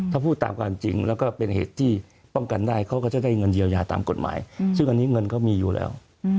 ถ้าพูดตามความจริงแล้วก็เป็นเหตุที่ป้องกันได้เขาก็จะได้เงินเยียวยาตามกฎหมายซึ่งอันนี้เงินเขามีอยู่แล้ว